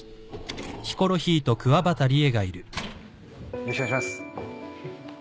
よろしくお願いします。